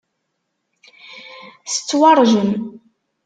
Tettwaṛjem.